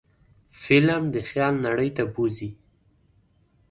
فلم د خیال نړۍ ته بوځي